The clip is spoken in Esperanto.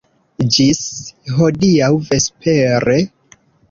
Ĝis hodiaŭ vespere!